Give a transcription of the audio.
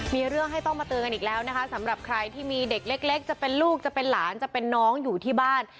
มีเรื่องให้ต้องมาเตือนกันอีกแล้วนะคะสำหรับใครที่มีเด็กเล็กจะเป็นลูกจะเป็นหลานจะเป็นน้องอยู่ที่บ้าน